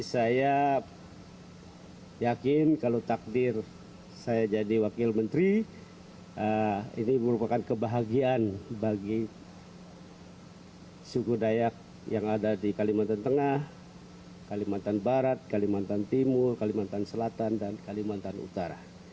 saya yakin kalau takdir saya jadi wakil menteri ini merupakan kebahagiaan bagi suku dayak yang ada di kalimantan tengah kalimantan barat kalimantan timur kalimantan selatan dan kalimantan utara